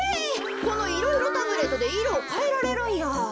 このいろいろタブレットでいろをかえられるんや。